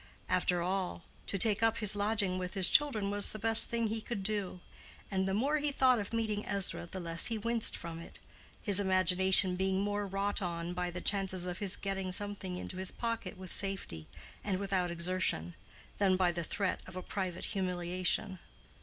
After all, to take up his lodging with his children was the best thing he could do; and the more he thought of meeting Ezra the less he winced from it, his imagination being more wrought on by the chances of his getting something into his pocket with safety and without exertion, than by the threat of a private humiliation.